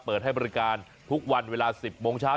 เปิดให้บริการทุกวันเวลา๑๐โมงเช้า